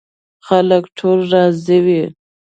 خلک ټول راضي وي.